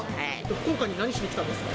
福岡に何しに来たんですか？